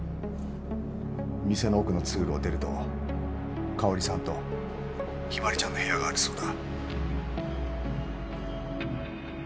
店の奥の通路を出ると香織さんと日葵ちゃんの部屋があるそうだ